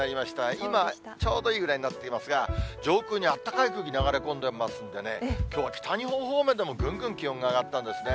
今、ちょうどいいぐらいになっていますが、上空にあったかい空気、流れ込んでますんでね、きょうは北日本方面でもぐんぐん気温が上がったんですね。